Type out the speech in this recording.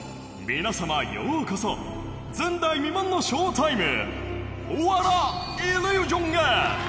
皆さまようこそ前代未聞のショータイム。